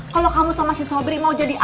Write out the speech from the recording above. kalau kamu sama si sobri mau jadi anak